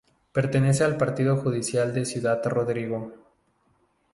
Pertenece al partido judicial de Ciudad Rodrigo.